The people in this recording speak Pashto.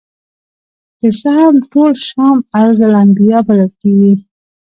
که څه هم ټول شام ارض الانبیاء بلل کیږي.